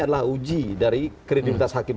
adalah uji dari kredibilitas hakim